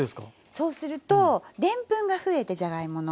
そうするとでんぷんが増えてじゃがいもの。